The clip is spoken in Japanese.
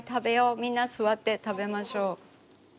みんな座って食べましょう。